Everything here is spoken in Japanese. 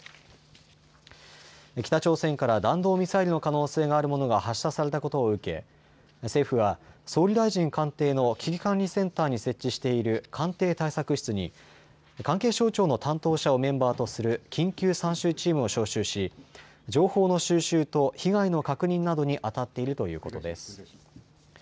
北朝鮮から弾道ミサイルの可能性があるものが発射されたことを受け政府は総理大臣官邸の危機管理センターに設置している官邸対策室に関係省庁の担当者をメンバーとする緊急参集チームを招集し情報の収集と被害の確認などにあたっているということです。